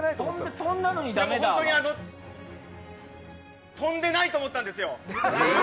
本当に飛んでないと思ったんですよ。